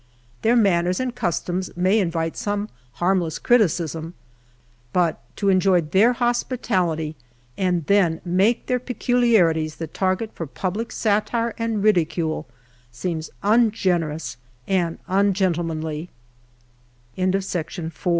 Their man ners and customs may invite some harmless criticism, but to enjoy their hospitality, and then make their peculiarities the target for public satire and ridicule, seems ungene